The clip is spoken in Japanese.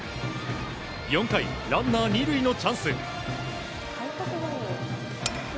４回、ランナー２塁のチャンス。